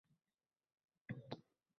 Bunga o‘tish davlat uchun foydali.